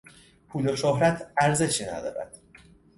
پول و شهرت ارزشی ندارد.